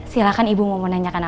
silahkan ibu mau menanyakan